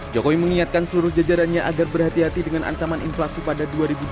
jokowi mengingatkan seluruh jajarannya agar berhati hati dengan ancaman inflasi pada dua ribu dua puluh